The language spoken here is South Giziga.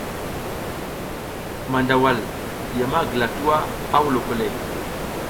Mandawal ya ma gila tuwa, a huloko le.